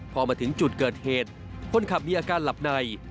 พอมาถึงจุดเกิดเหตุคนขับมีอาการหลับใน